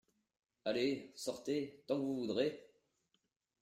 Allez… sortez… tant que vous voudrez !…